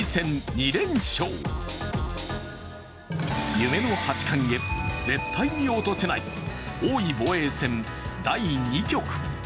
夢の八冠へ絶対に落とせない王位防衛戦第２局。